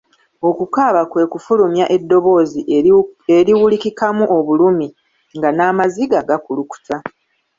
Okukaaba kwe kufulumya eddoboozi eriwulikikamu obulumi nga n'amaziga gakulukuta.